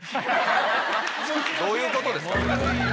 どういうことですか？